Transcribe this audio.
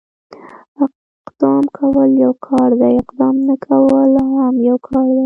اقدام کول يو کار دی، اقدام نه کول هم يو کار دی.